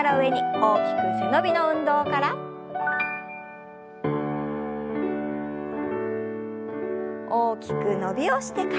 大きく伸びをしてから。